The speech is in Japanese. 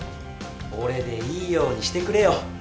俺でいいようにしてくれよ。